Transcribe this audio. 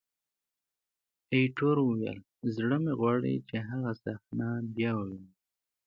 ایټور وویل: زړه مې غواړي چې هغه صحنه بیا ووینم.